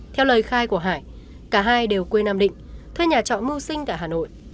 theo lời khai của hải cả hai đều quê nam định thuê nhà trọ mưu sinh tại hà nội